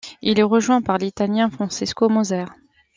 Il est rejoint par l'Italien Francesco Moser.